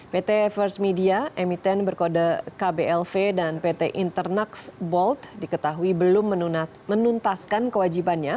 pt first media emiten berkode kblv dan pt internax bold diketahui belum menuntaskan kewajibannya